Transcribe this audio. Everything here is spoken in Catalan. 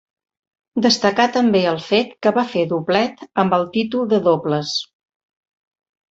Destacar també el fet que va fer doblet amb el títol de dobles.